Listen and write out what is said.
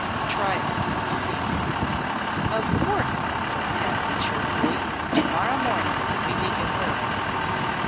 "Try it and see." "Of course," said Patsy, cheerfully. "Tomorrow morning we begin work."